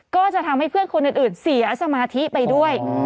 ก็จะทำให้เพื่อนคนอื่นเสียสมาธิไปด้วย